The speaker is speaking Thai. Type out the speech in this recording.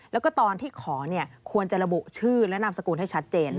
แล้วก็ตอนที่ขอควรจะระบุชื่อและนามสกุลให้ชัดเจน